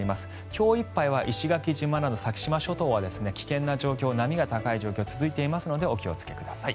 今日いっぱいは石垣島など先島諸島は危険な状況、波が高い状況が続いていますのでお気をつけください。